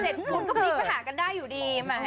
เจ็ดพุนก็ไปหากันได้อยู่ดี